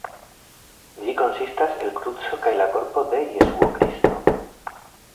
Ĝi konsistas el kruco kaj la korpo de Jesuo Kristo.